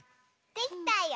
できたよ。